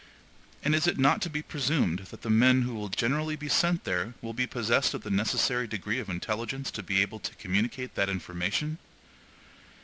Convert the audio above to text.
And is it not to be presumed that the men who will generally be sent there will be possessed of the necessary degree of intelligence to be able to communicate that information?